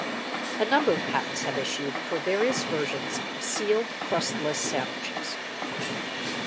A number of patents have issued for various versions of sealed crustless sandwiches.